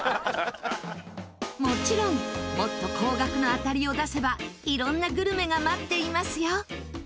もちろんもっと高額な当たりを出せば色んなグルメが待っていますよ。